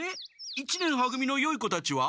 一年は組のよい子たちは？